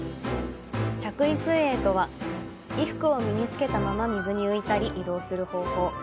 着衣水泳とは、衣服を身に着けたまま水に浮いたり、移動する方法。